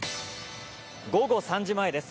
午後３時前です。